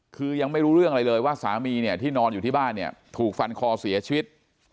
คือยังไม่รู้เรื่องอะไรเลยว่าสามีเนี่ยที่นอนอยู่ที่บ้านเนี่ยถูกฟันคอเสียชีวิต